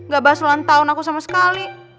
gak bahas ulang tahun aku sama sekali